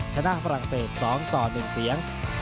ชนะฝรั่งเศส๒ต่อ๑เสียง